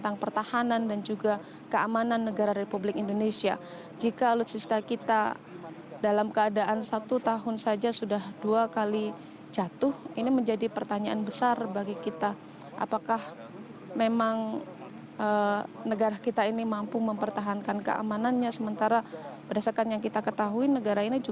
untuk mendapatkan informasi terbaru